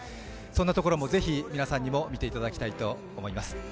そんなところも、ぜひ皆さんにも見ていただきたいと思います。